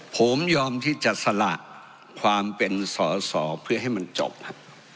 ผมยอมที่จะสละความเป็นสอสอเพื่อให้มันจบครับ